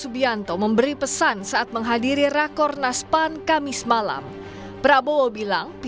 bagaimana membaca hal ini lengkapnya dalam catatan kompas tv